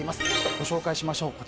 ご紹介しましょう。